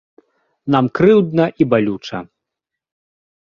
Нам крыўдна і балюча.